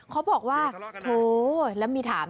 เขาบอกว่าโถแล้วมีถาม